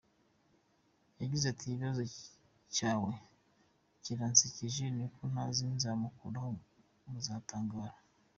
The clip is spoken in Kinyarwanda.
Yagize ati “Ikibazo cyawe kiransekeje ni uko utanzi, nzamumukuraho muzatangara.